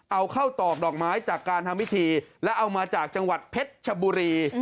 เอาเข้าตอกดอกไม้จากการทำพิธีแล้วเอามาจากจังหวัดเพชรชบุรี